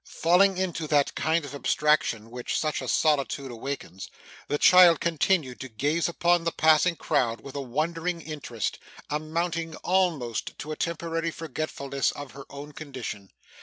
Falling into that kind of abstraction which such a solitude awakens, the child continued to gaze upon the passing crowd with a wondering interest, amounting almost to a temporary forgetfulness of her own condition.